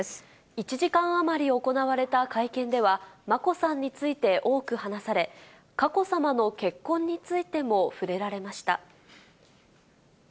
１時間余り行われた会見では、眞子さんについて多く話され、佳子さまの結婚についても触れられました。